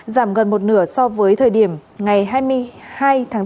giảm gần một nửa so với thời điểm ngày hai mươi hai tháng bốn